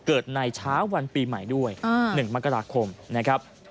เกิดในเช้าวันปีใหม่ด้วย๑มกราคมนะครับ